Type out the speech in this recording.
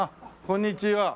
こんにちは。